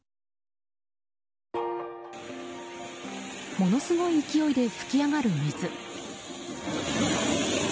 ものすごい勢いで噴き上がる水。